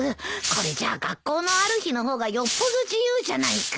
これじゃあ学校のある日の方がよっぽど自由じゃないか。